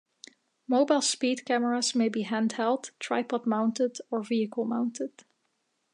Mobile speed cameras may be hand-held, tripod mounted, or vehicle-mounted.